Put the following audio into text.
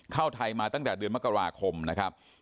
เข้าไทยมาตั้งแต่เดือนมกราคมนะครับ